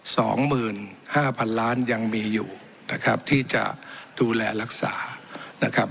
สองหมื่นห้าพันล้านยังมีอยู่นะครับที่จะดูแลรักษานะครับ